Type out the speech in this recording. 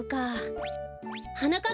はなかっ